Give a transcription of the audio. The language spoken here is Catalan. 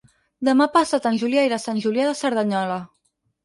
Demà passat en Julià irà a Sant Julià de Cerdanyola.